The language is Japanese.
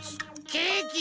ケーキ。